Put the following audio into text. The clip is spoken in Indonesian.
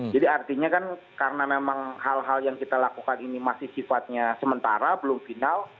jadi artinya kan karena memang hal hal yang kita lakukan ini masih sifatnya sementara belum final